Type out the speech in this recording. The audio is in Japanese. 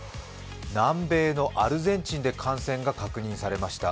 南米のアルゼンチンで感染が確認されました。